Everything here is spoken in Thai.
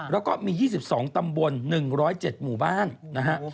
แล้วก็มี๒๒ตำบล๑๐๗หมู่บ้านนะฮะ